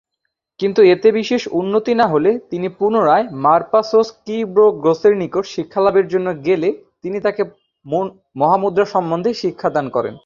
কিন্তু এতে বিশেষ উন্নতি না হলে তিনি পুনরায় মার-পা-ছোস-ক্যি-ব্লো-গ্রোসের নিকট শিক্ষালাভের জন্য গেলে তিনি তাকে মহামুদ্রা সম্বন্ধে শিক্ষাদান করেন।